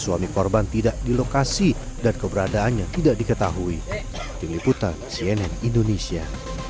suami korban tidak di lokasi dan keberadaannya tidak diketahui tim liputan cnn indonesia